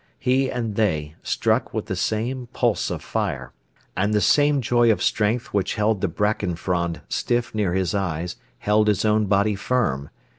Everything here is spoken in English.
He and they struck with the same pulse of fire, and the same joy of strength which held the bracken frond stiff near his eyes held his own body firm.